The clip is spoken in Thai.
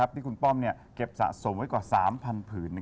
ที่คุณป้อมเก็บสะสมไว้กว่า๓๐๐ผืน